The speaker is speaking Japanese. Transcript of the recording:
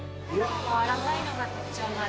やわらかいのが特徴の。